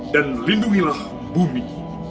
dan lindungilah bumi